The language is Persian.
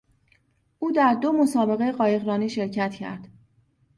او در دو مسابقهی قایقرانی شرکت کرد.